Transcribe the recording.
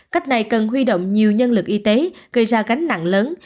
cách này cần huy động nhiều nhân lực y tế gây ra cánh nặng lớn